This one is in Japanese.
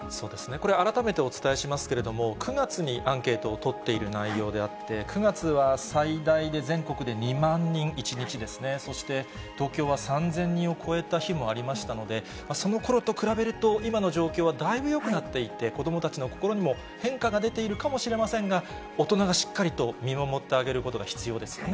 これ改めてお伝えしますけれども、９月にアンケートを取っている内容であって、９月は最大で全国で２万人、１日ですね、そして東京は３０００人を超えた日もありましたので、そのころと比べると、今の状況はだいぶよくなっていて、子どもたちの心にも変化が出ているかもしれませんが、大人がしっかりと見守ってあげることが必要ですよね。